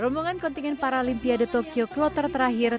rombongan kontingen paralimpiade tokyo kloter terakhir